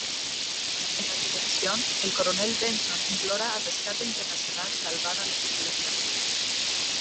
En la televisión, el Coronel Benson implora al Rescate Internacional salvar a la tripulación.